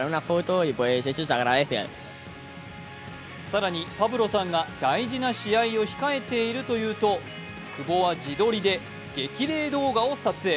更にパブロさんが大事な試合を控えていると言うと久保は自撮りで激励動画を撮影。